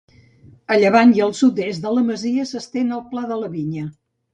A llevant i al sud-est de la masia s'estén el Pla de la Vinya.